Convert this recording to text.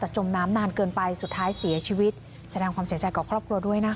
จมน้ำนานเกินไปสุดท้ายเสียชีวิตแสดงความเสียใจกับครอบครัวด้วยนะคะ